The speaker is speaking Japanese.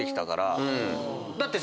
だってさ